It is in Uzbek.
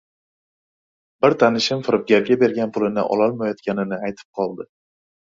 Bir tanishim firibgarga bergan pulini ololmayotganini aytib qoldi.